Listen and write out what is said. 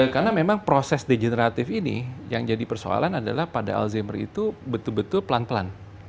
karena memang proses degeneratif ini yang jadi persoalan adalah pada alzheimer itu betul betul pelan pelan